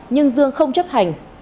nhưng dương không chấp hành